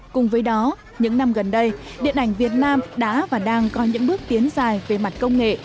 cùng với đó những năm gần đây điện ảnh việt nam đã và đang có những bước tiến dài về mặt công nghệ